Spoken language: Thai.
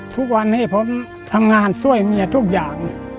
ทุกวันนี้ผมทำงานช่วยเมียทุกอย่าง